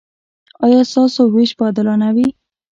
ایا ستاسو ویش به عادلانه وي؟